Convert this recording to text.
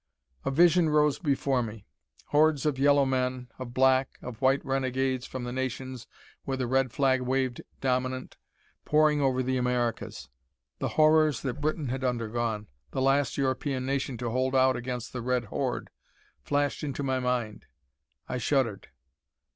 A vision arose before me. Hordes of yellow men, of black, of white renegades from the nations where the red flag waved dominant, pouring over the Americas. The horrors that Britain had undergone, the last European nation to hold out against the Red horde, flashed into my mind. I shuddered.